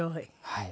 はい。